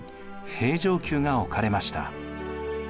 平城宮が置かれました。